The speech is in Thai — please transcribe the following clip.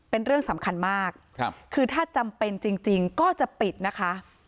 เป็นเรื่องสำคัญมากคือถ้าจำเป็นจริงก็จะปิดนะคะ